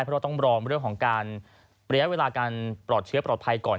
เพราะต้องรอเรื่องของการระยะเวลาการปลอดเชื้อปลอดภัยก่อน